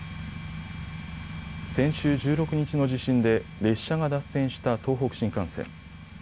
先週１６日の地震で列車が脱線した東北新幹線。